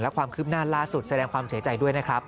ความคืบหน้าล่าสุดแสดงความเสียใจด้วยนะครับ